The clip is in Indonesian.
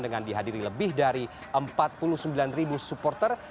dengan dihadiri lebih dari empat puluh sembilan ribu supporter